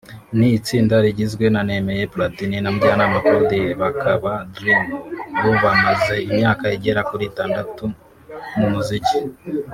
ni itsinda rigizwe na Nemeye Platini na Mujyanama Claude bakaba Dream Bobamaze imyaka igera kuri itandatu mu muziki